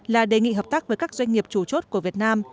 là đề nghị hợp tác với các doanh nghiệp chủ chốt của việt nam